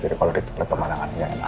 jadi kalau di tempat teman teman gak enak